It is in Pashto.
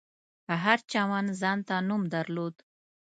هر چمن ځانته نوم درلود.